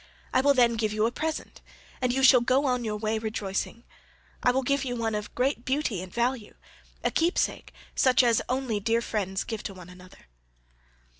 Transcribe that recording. I will then give you a present, and you shall go on your way rejoicing; I will give you one of great beauty and value—a keepsake such as only dear friends give to one another."